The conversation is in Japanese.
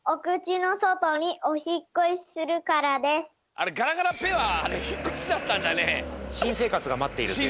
あれガラガラペッはひっこしだったんだね！